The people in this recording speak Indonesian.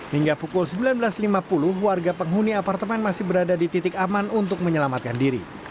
hingga pukul sembilan belas lima puluh warga penghuni apartemen masih berada di titik aman untuk menyelamatkan diri